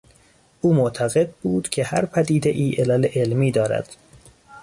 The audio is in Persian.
او معتقد بود که هر پدیدهای علل علمی دارد.